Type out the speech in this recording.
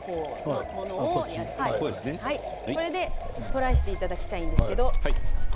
これでトライしていただきたいです。